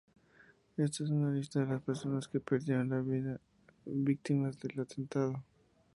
Esta es una lista de las personas que perdieron la vida víctimas del atentado.